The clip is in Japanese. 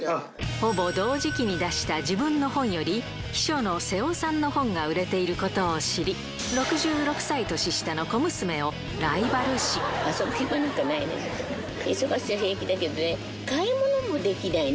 ほぼ同時期に出した自分の本より、秘書の瀬尾さんの本が売れていることを知り、６６歳年下の小娘を遊ぶ暇なんかないね。